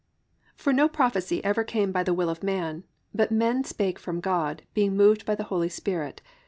"For no prophecy ever came by the will of man, but men spake from God, being moved by the Holy Spirit."